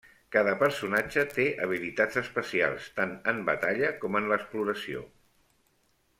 Cada personatge té habilitats especials tant en batalla com en l'exploració.